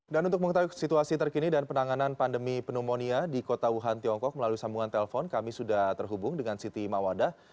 dan untuk mengetahui situasi terkini dan penanganan pandemi pneumonia di kota wuhan tiongkok melalui sambungan telpon kami sudah terhubung dengan siti mawada